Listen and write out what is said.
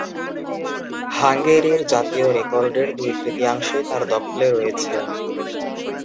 হাঙ্গেরির জাতীয় রেকর্ডের দুই-তৃতীয়াংশই তার দখলে রয়েছে।